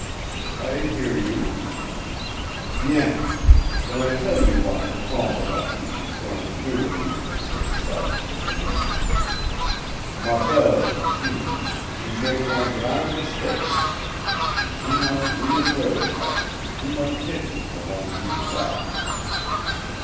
"I hear you." "BIEN! Then I tell you w'at Concombre Bateese ees goin' do wit' you, M'sieu Sergent de Police! MA BELLE Jeanne she mak' wan gran' meestake. She too much leetle bird heart, too much pity for want you to die.